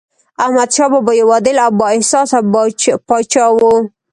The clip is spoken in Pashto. احمدشاه بابا یو عادل او بااحساسه پاچا و.